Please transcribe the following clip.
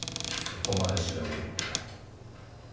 そこまで調べるって。